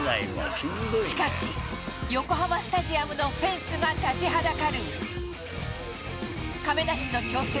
しかし、横浜スタジアムのフェンスが立ちはだかる。